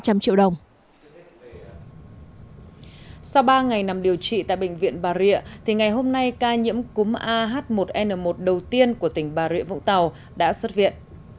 sau ba ngày nằm điều trị tại bệnh viện bà rịa thì ngày hôm nay ca nhiễm cúm ah một n một đầu tiên của tỉnh bà rịa vũng tàu đã xuất viện